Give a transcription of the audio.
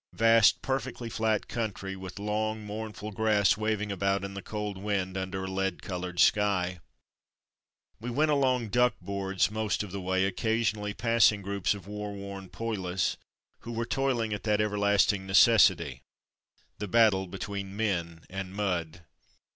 Vast, perfectly flat country, with long, mourn ful grass wav ing about in the cold wind under a lead coloured sky. We went along ''duck boards" most of the way, occasionally passing groups of war worn poilus, who were toiling at that everlast ing necessity — the battle between Man and Mud.